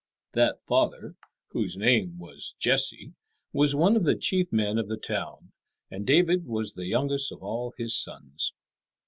That father, whose name was Jesse, was one of the chief men of the town, and David was the youngest of all his sons.